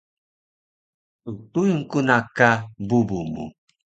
ttuyun ku na ka bubu mu